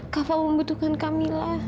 kava membutuhkan kamila